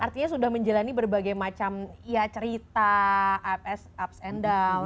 artinya sudah menjalani berbagai macam cerita ups and down